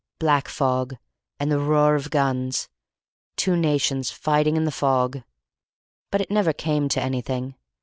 Black fog. And the roar of guns. Two nations fighting in the fog," but it never came to anything.